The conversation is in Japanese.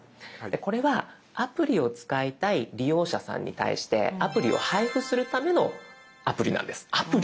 でこれはアプリを使いたい利用者さんに対してアプリを配布するためのアプリなんです。